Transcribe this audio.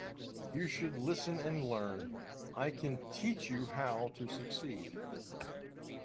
You should listen and learn; I can teach you how to succeed